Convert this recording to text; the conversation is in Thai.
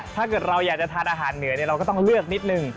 ถ้าเกิดเราอยากจะทานอาหารเหนือเราก็ต้องเลือกนิดนึง